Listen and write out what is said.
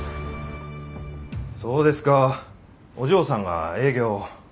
そうですかお嬢さんが営業を。